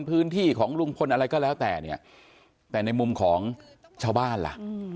พื้นที่ของลุงพลอะไรก็แล้วแต่เนี่ยแต่ในมุมของชาวบ้านล่ะ